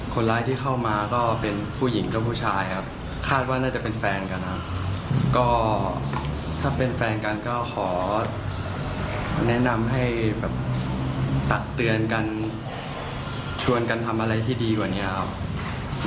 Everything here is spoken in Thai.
คนร้ายที่เข้ามาก็เป็นผู้หญิงกับผู้ชายครับคาดว่าน่าจะเป็นแฟนกันครับก็ถ้าเป็นแฟนกันก็ขอแนะนำให้แบบตักเตือนกันชวนกันทำอะไรที่ดีกว่านี้ครับ